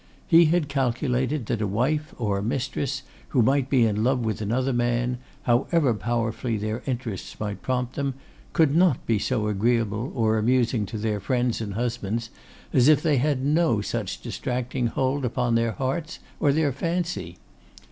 He had calculated that a wife or a mistress who might be in love with another man, however powerfully their interests might prompt them, could not be so agreeable or amusing to their friends and husbands as if they had no such distracting hold upon their hearts or their fancy.